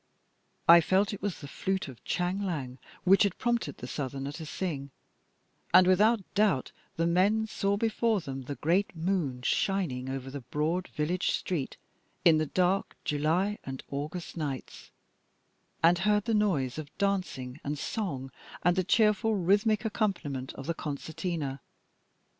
I felt it was the flute of Chang Liang which had prompted the southerner to sing, and without doubt the men saw before them the great moon shining over the broad village street in the dark July and August nights, and heard the noise of dancing and song and the cheerful rhythmic accompaniment of the concertina.